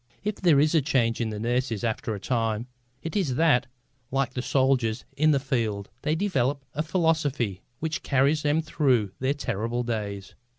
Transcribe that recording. If there is a change in the nurses after a time, it is that, like the soldiers in the field, they develop a philosophy which carries them through their terrible days.